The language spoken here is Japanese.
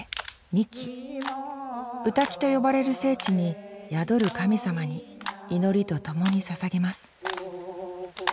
「御嶽」と呼ばれる聖地に宿る神様に祈りとともにささげます